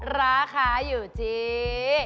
ราคาอยู่ที่